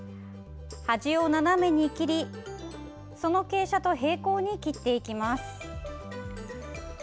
端を斜めに切りその傾斜と平行に切っていきます。